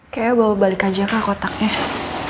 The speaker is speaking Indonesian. kayaknya bawa balik aja kah kotaknya